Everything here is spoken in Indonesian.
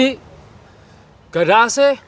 nggak ada ac